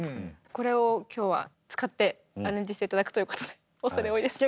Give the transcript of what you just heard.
これを今日は使ってアレンジして頂くということで恐れ多いです。